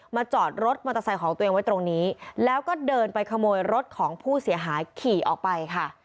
จอดรถมอเตอร์ไซค์ของตัวเองไว้ตรงนี้แล้วก็เดินไปขโมยรถของผู้เสียหายขี่ออกไปค่ะ